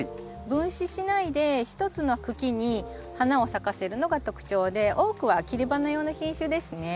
分枝しないで１つの茎に花を咲かせるのが特徴で多くは切り花用の品種ですね。